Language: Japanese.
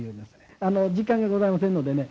時間がございませんのでね